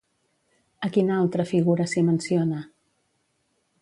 A quina altra figura s'hi menciona?